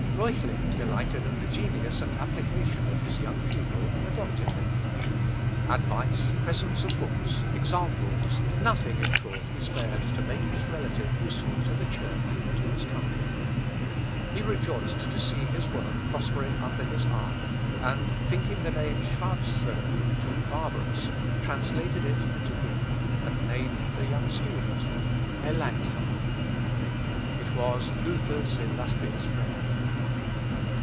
Reuchlin, delighted at the genius and application of his young pupil, adopted him. Advice, presents of books, examples, nothing, in short, he spared to make his relative useful to the Church and to his country. He rejoiced to see his work prospering under his eye; and, thinking the name Schwarzerd too barbarous, translated it into Greek, and named the young student Melancthon. It was Luther's illustrious friend.